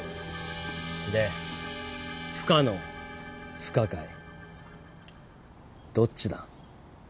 で不可能不可解どっちだ？